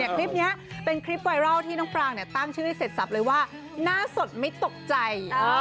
คลิปนี้เป็นคลิปไวรัลที่น้องปรางตั้งชื่อให้เสร็จสับเลยว่าหน้าสดไม่ตกใจ